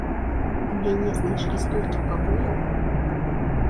У мяне знайшлі столькі пабояў!